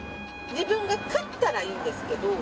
自分が勝ったらいいんですけど。